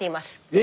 え